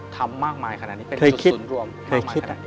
ทำมากมายขนาดนี้เป็นจุดสูญรวมมากมายขนาดนี้